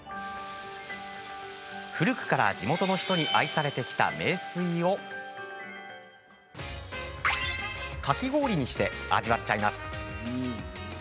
古くから地元の人に愛されてきた名水をかき氷にして味わっちゃいます。